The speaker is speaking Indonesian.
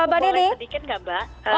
apakah boleh sedikit nggak mbak